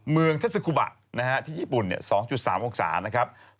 เมืองท็อตซิกุฟาที่ญี่ปุ่น๒๓องศา